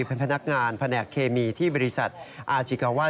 เป็นพนักงานแผนกเคมีที่บริษัทอาจิกาว่า